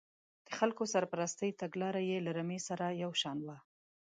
د خلکو سرپرستۍ تګلاره یې له رمې سره یو شان وه.